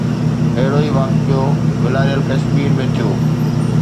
اهڙو ئي واقعو والاريل ڪشمير ۾ ٿيو.